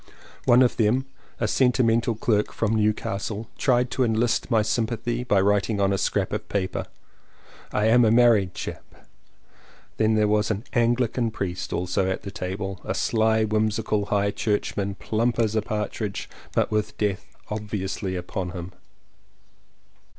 One of them, a sentimental clerk from New castle, tried to enlist my sympathy by 227 CONFESSIONS OF TWO BROTHERS writing on a scrap of paper "I am a married chap." There was an AngHcan priest also at the table, a sly whimsical High Church man, plump as a partridge, but with death obviously upon him.